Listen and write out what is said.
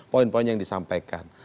poin poin yang disampaikan